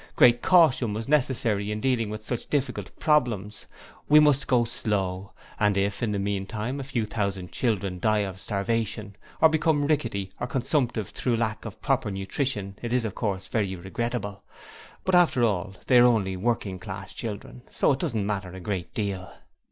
Great caution was necessary in dealing with such difficult problems! We must go slow, and if in the meantime a few thousand children die of starvation, or become 'rickety' or consumptive through lack of proper nutrition it is, of course, very regrettable, but after all they are only working class children, so it doesn't matter a great deal.